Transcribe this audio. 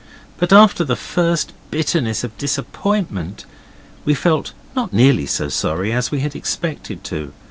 But after the first bitterness of disappointment we felt not nearly so sorry as we had expected to.